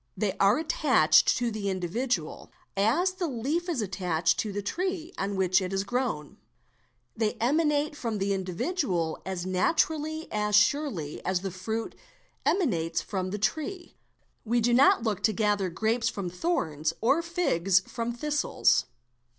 They are attached to the individual, as the leaf is attached to the tree on which it has grown; they emanate from the individual as naturally and as surely as the fruit emanates from the tree. We do now 7 look to gather grapes from thorns or figs from thistles.